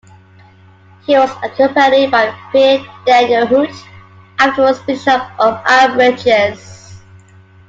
He was accompanied by Pierre Daniel Huet, afterwards Bishop of Avranches.